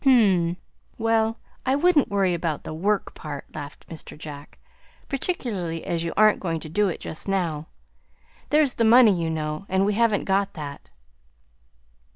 "Hm m; well, I wouldn't worry about the 'work' part," laughed Mr. Jack, "particularly as you aren't going to do it just now. There's the money, you know, and we haven't got that."